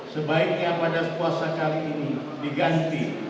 sebaiknya pada puasa kali ini diganti